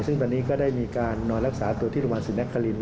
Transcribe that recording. ซึ่งตอนนี้ก็ได้มีการนอนรักษาตัวที่โรงพยาบาลศรีนคริน